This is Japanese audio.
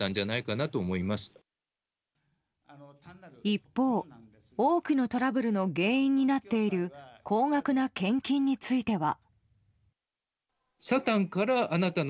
一方、多くのトラブルの原因になっている高額な献金については。